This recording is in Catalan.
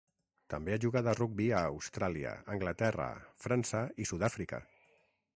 També ha jugat a rugbi a Austràlia, Anglaterra, França i Sud-àfrica.